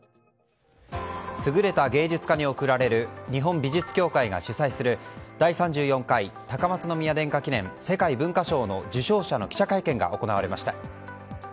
優れた芸術家に贈られる日本美術協会が主催する第３４回高松宮殿下記念世界文化賞の受賞者の記者会見が行われました。